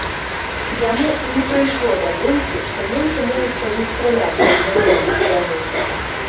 Яму не прыйшло да думкі, што немцы могуць па ім страляць, калі заўважаць яго.